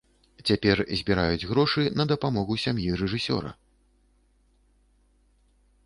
Цяпер збіраюць грошы на дапамогу сям'і рэжысёра.